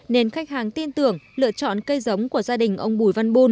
nên khách hàng tin tưởng lựa chọn cây giống của gia đình ông bùi văn bùn và đặt hàng